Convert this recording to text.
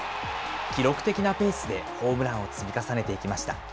記録的なペースでホームランを積み重ねていきました。